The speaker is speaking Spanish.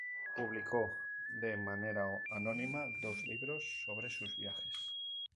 Publicó, de manera anónima, dos libros sobre sus viajes.